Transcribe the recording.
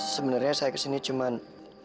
sebenarnya saya kesini cuman